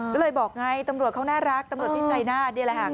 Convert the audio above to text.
ก็เลยบอกไงตำรวจเขาน่ารักตำรวจดีใจน่า